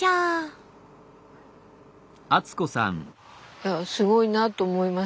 いやすごいなと思います。